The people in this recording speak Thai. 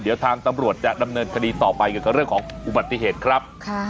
เดี๋ยวทางตำรวจจะดำเนินคดีต่อไปเกี่ยวกับเรื่องของอุบัติเหตุครับ